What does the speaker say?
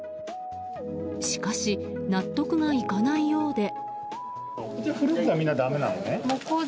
しかし納得がいかないようで。